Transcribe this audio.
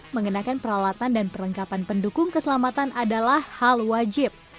mengenakan peralatan dan perlengkapan pendukung keselamatan adalah hal wajib